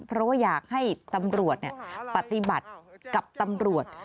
เพราะว่าอยากให้ตำรวจปฏิบัติกับตำรวจ